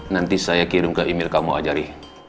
nanti saya kirim ke email kamu aja ri